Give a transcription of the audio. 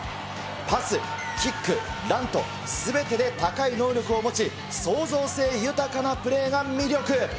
パス、キック、ランと、すべてで高い能力を持ち、創造性豊かなプレーが魅力。